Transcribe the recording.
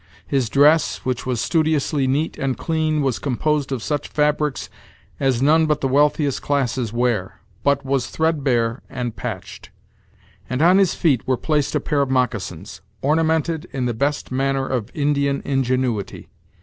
His dress, which was studiously neat and clean, was composed of such fabrics as none but the wealthiest classes wear, but was threadbare and patched; and on his feet were placed a pair of moccasins, ornamented in the best manner of Indian ingenuity.